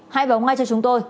hãy báo ngay cho chúng tôi